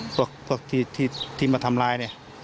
พวกที่มาทำร้ายเนี่ย